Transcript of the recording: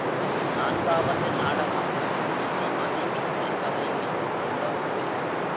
நான்காவது நாடகம் புத்திமதி என்பதை வைத்துக் கொண்டோம்.